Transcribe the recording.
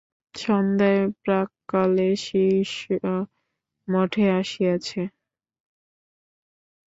সন্ধ্যায় প্রাক্কালে শিষ্য মঠে আসিয়াছে।